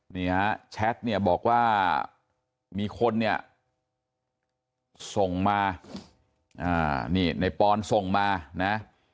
ในแชทบอกว่ามีคนเนี่ยส่งมาในปอนด์ส่งมานะ